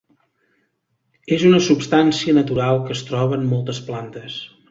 És una substància natural que es troba en moltes plantes.